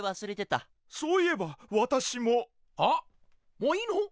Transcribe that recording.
もういいの？